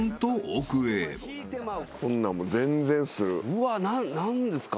うわっ何ですか？